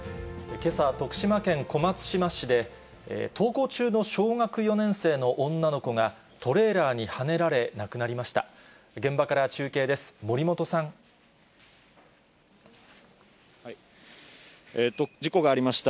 けさ、徳島県小松島市で、登校中の小学４年生の女の子がトレーラーにはねられ、亡くなりました。